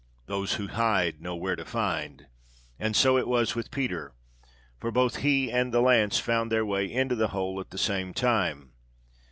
Those who hide know where to find; and so it was with Peter, for both he and the lance found their way into the hole at the same time.